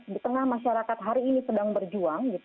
di tengah masyarakat hari ini sedang berjuang